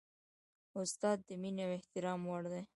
استاد د مینې او احترام وړ دی.